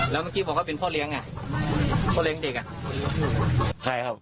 แล้วเมื่อกี้บอกว่าเป็นพ่อเลี้ยงอ่ะพ่อเลี้ยงเด็กอ่ะใช่ครับ